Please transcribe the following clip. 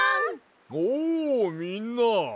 おうみんな。